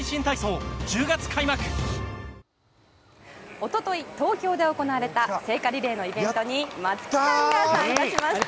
一昨日、東京で行われた聖火リレーのイベントに松木さんが参加しました。